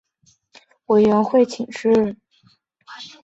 陈锡璋表示即电蒙藏委员会请示。